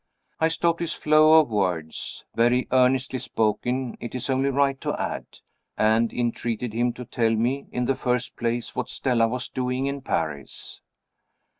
I stopped his flow of words (very earnestly spoken, it is only right to add), and entreated him to tell me, in the first place, what Stella was doing in Paris.